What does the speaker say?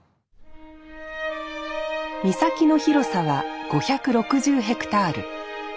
岬の広さは５６０ヘクタール。